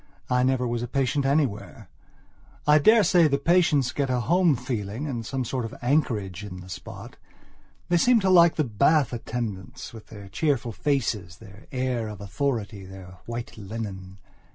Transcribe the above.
I never was a patient anywhere. I daresay the patients get a home feeling and some sort of anchorage in the spot. They seem to like the bath attendants, with their cheerful faces, their air of authority, their white linen.